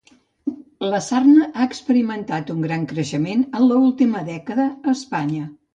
La sarna ha experimentat un gran creixement en l'última dècada a Espanya